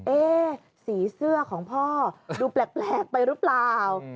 สีเสื้อของพ่อดูแปลกไปหรือเปล่า